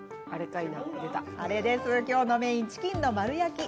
今日のメインはチキンの丸焼き。